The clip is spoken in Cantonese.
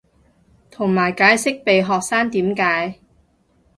同埋解釋被學生點解